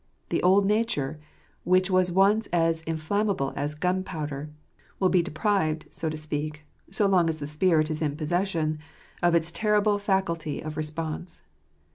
The old nature, which was once as inflammable as gunpowder, will be deprived, so to speak, so long as the Spirit is in possession, of its terrible facility of response.